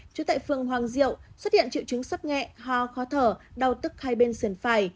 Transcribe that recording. trú tại phường hoàng diệu xuất hiện triệu chứng sốc nhẹ ho khó thở đau tức hai bên sườn phải